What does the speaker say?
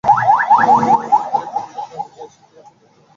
বিহারী কহিল, প্রাণের দায়ে শিখিয়াছি, নিজের যত্ন নিজেকেই করিতে হয়।